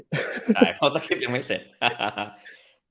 ใช่เพราะว่าสกริปยังไม่เสร็จ